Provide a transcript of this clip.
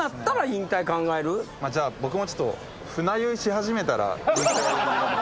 じゃあ僕もちょっと船酔いし始めたら引退。